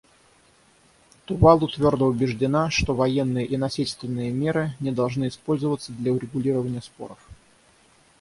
Тувалу твердо убеждена, что военные и насильственные меры не должны использоваться для урегулирования споров.